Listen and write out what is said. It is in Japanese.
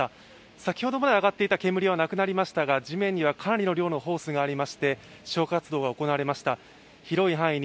先ほどまで上がっていた煙はなくなりましたが地面には、かなりの量のホースがありまして、消火活動が行われました。